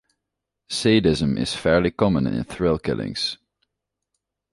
Sadism is fairly common in thrill killings.